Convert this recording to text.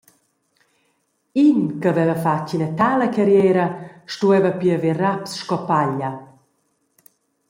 In che veva fatg ina tala carriera stueva pia ver raps sco paglia.